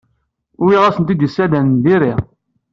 Wwiɣ-asent-d isalan n diri.